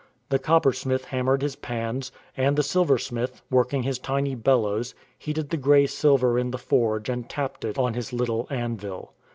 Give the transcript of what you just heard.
The coppersmith hammered his pans; and the silversmith, working his tiny bellows, heated the grey silver in the forge and tapped it on his little anvil.